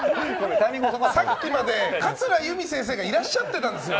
さっきまで桂由美先生がいらっしゃってたんですよ。